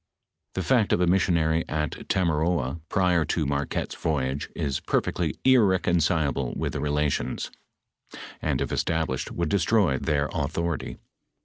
The fact of a missionary at Tamaroa prior to Marquette's voyage, is perfectly irreconcilable with the Relations, and if established, would destroy their authority.